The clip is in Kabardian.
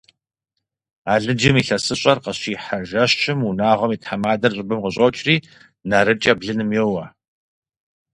Алыджым илъэсыщӀэр къыщихьэ жэщым унагъуэм и тхьэмадэр щӀыбым къыщӀокӀри, нарыкӀэ блыным йоуэ.